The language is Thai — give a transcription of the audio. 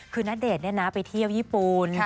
คือณเดชน์ไปเที่ยวญี่ปุ่น